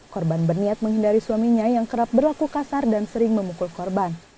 korban berniat menghindari suaminya yang kerap berlaku kasar dan sering memukul korban